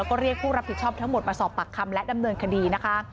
ก็เรียกผู้รับผิดชอบทั้งหมดมาสอบปากคำและดำเนินคดีนะคะ